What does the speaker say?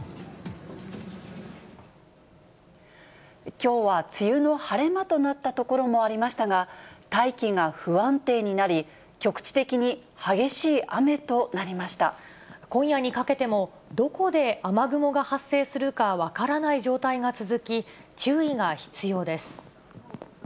きょうは梅雨の晴れ間となった所もありましたが、大気が不安定になり、局地的に激しい雨とな今夜にかけても、どこで雨雲が発生するか分からない状態が続き、注意が必要です。